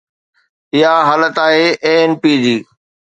اها حالت آهي ANP جي.